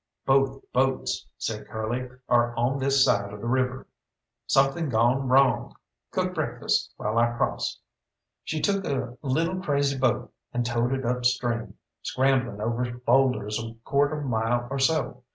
"Both boats," said Curly, "are on this side of the river something gawn wrong. Cook breakfast while I cross." She took a little crazy boat and towed it upstream, scrambling over boulders a quarter mile or so.